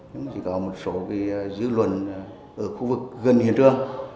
nhưng chỉ có một số dư luận ở khu vực gần hiện trường